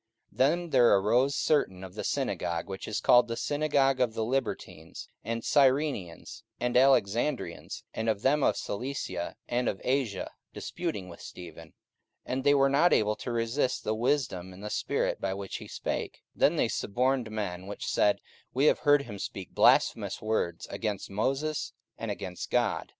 44:006:009 Then there arose certain of the synagogue, which is called the synagogue of the Libertines, and Cyrenians, and Alexandrians, and of them of Cilicia and of Asia, disputing with Stephen. 44:006:010 And they were not able to resist the wisdom and the spirit by which he spake. 44:006:011 Then they suborned men, which said, We have heard him speak blasphemous words against Moses, and against God.